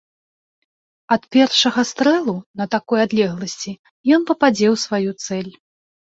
Ад першага стрэлу на такой адлегласці ён пападзе ў сваю цэль.